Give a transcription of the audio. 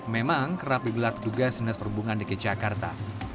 memang kerap digelar petugas dinas perhubungan dki jakarta